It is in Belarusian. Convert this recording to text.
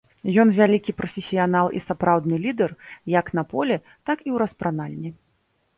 Ён вялікі прафесіянал і сапраўдны лідар як на полі, так і ў распранальні.